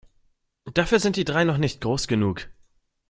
Dafür sind die drei noch nicht groß genug.